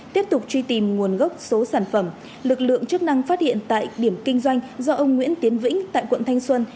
tiếp tục truy tìm nguồn gốc số sản phẩm lực lượng chức năng phát hiện tại điểm kinh doanh do ông nguyễn tiến vĩnh tại quận thanh xuân